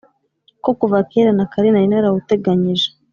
ko kuva kera na kare nari narawuteganyije,